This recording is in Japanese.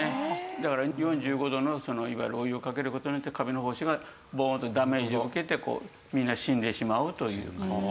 だから４５度のいわゆるお湯をかける事によってカビの胞子がボーンとダメージを受けてみんな死んでしまうという感じですね。